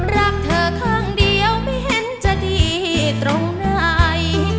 รักเธอข้างเดียวไม่เห็นจะดีตรงไหน